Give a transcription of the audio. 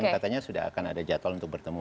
dan katanya sudah akan ada jadwal untuk bertemu